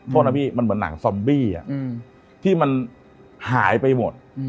โทษนะพี่มันเหมือนหนังซอมบี้ที่มันหายไปหมด